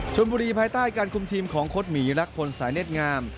ชนบุรีภายใต้การคุมทีมของโค้ดหมีรักพลสายเน็ตงาม